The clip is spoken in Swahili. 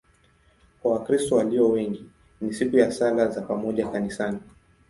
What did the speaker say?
Kwa Wakristo walio wengi ni siku ya sala za pamoja kanisani.